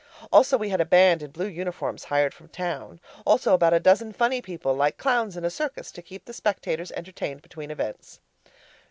Also we had a band in blue uniforms hired from town. Also about a dozen funny people, like clowns in a circus, to keep the spectators entertained between events.